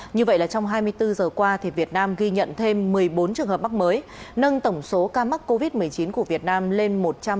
như vậy là trong hai mươi bốn giờ qua việt nam ghi nhận thêm một mươi bốn trường hợp mắc mới nâng tổng số ca mắc covid một mươi chín của việt nam lên một trăm ba mươi ca